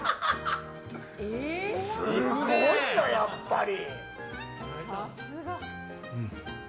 すごいな、やっぱり。